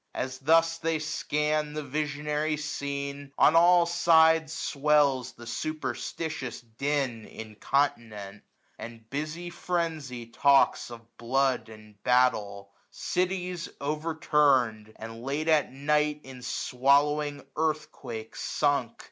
As thus they scan the visionary scene, 1 120 On all sides swells the superstitious din, Incontinent ; and busy frenzy talks Of blood and battle; cities overturned; And late at night in swallowing earthquake sunk.